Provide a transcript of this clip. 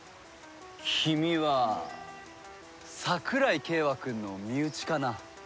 君は桜井景和くんの身内かな？